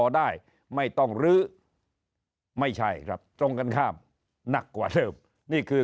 ได้ไม่ต้องลื้อไม่ใช่ครับตรงกันข้ามหนักกว่าเดิมนี่คือ